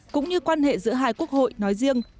cũng như quan hệ giữa hai quốc hội nói riêng